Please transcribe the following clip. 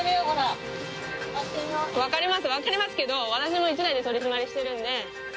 分かりますけど私も１台で取り締まりしてるんで。